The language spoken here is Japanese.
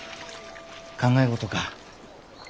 考え事か？